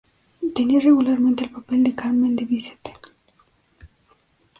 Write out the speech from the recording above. Tenía regularmente el papel de Carmen de Bizet.